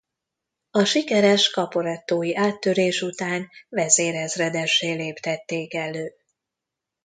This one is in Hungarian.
A sikeres caporettói áttörés után vezérezredessé léptették elő.